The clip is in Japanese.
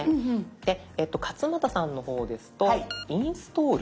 勝俣さんの方ですと「インストール」。